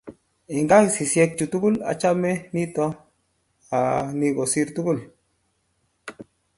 Eng kekisiek chu tugul achame nito ni kosir tugul